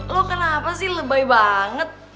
loh kenapa sih lebay banget